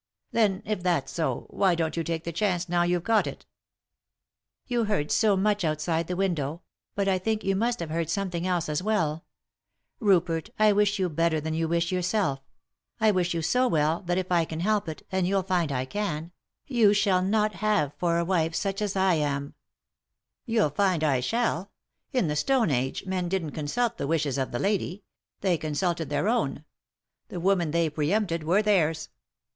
"Then, if that's so, why don't you take the chance now you've got it ?"" You heard so much outside the window ; but I think you must have heard something else as wclL Rupert, I wish you better than you wish yourself; I wish you so well that, if I can help it— and you'll find I can— you shall not have for a wife such as I " You'll find I shall. In the Stone Age men didn't consult the wishes of the lady ; they consulted their own. The women they pre empted were theirs.